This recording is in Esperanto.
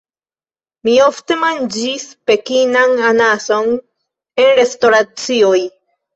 Mi ofte manĝis Pekinan Anason en restoracioj.